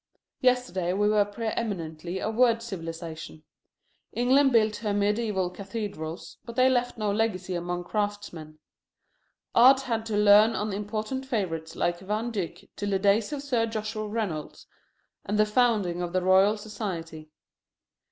Yesterday we were preeminently a word civilization. England built her mediæval cathedrals, but they left no legacy among craftsmen. Art had to lean on imported favorites like Van Dyck till the days of Sir Joshua Reynolds and the founding of the Royal Society.